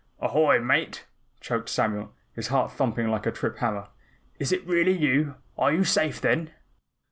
"Ahoy, Mate!" choked Samuel, his heart thumping like a trip hammer. "Is it really you? Are you safe, then?"